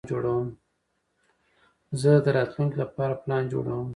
زه د راتلونکي لپاره پلان جوړوم.